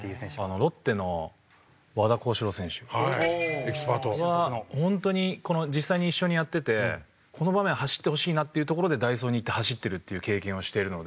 エキスパート。はホントに実際一緒にやっててこの場面走ってほしいなっていうところで代走にいって走ってるっていう経験をしているので。